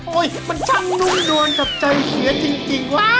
มันช่างนุ่มนวลกับใจเขียนจริงวะ